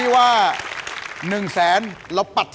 หมายเลข๕๐๐๐บาท